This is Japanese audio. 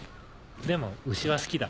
でも牛は好きだ。